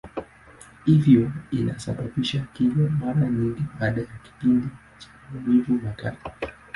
Hivyo inasababisha kifo, mara nyingi baada ya kipindi cha maumivu makali.